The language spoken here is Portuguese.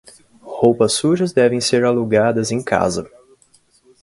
Roupas sujas devem ser alugadas em casa.